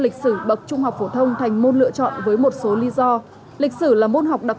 lịch sử bậc trung học phổ thông thành môn lựa chọn với một số lý do lịch sử là môn học đặc